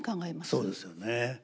そうですよね。